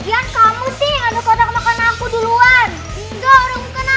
dia ada kodak makanan aku ustadz